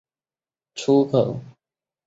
出口为横琴北。